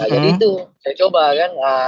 jadi itu saya coba kan